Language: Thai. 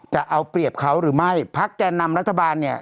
จะเอาเปรียบเขาหรือไม่พักแก่นำรัฐบาลเนี่ย